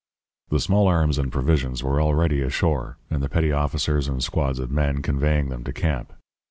"The small arms and provisions were already ashore, and the petty officers and squads of men conveying them to camp.